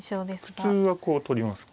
普通はこう取りますか。